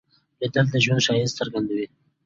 لیدل د ژوند ښایست څرګندوي